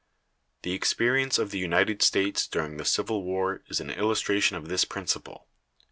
The experience of the United States during the civil war is an illustration of this principle.